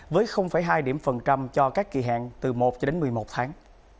với hai điểm phần trăm cho các kỳ hạn từ một cho đến một mươi một tháng